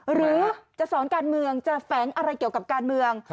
หรือจะสอนการเมืองจะแฝงอะไรเกี่ยวกับการเมือง